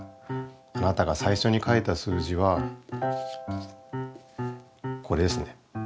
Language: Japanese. あなたが最初に書いた数字はこれですね。